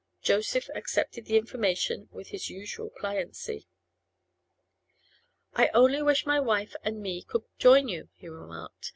Joseph accepted the information with his usual pliancy. 'I only wish my wife and me could join you,' he remarked.